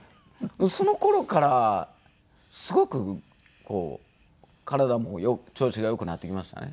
その頃からすごくこう体も調子がよくなってきましたね。